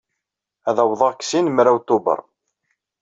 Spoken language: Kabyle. Ad awḍeɣ deg sin mraw Tubeṛ.